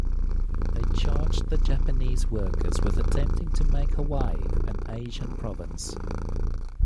They charged the Japanese workers with attempting to make Hawaii an Asian province.